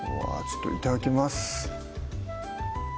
ちょっといただきます